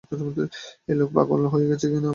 এই লোক পাগল হয়ে গেছে, আমি আর তার সাথে নাই!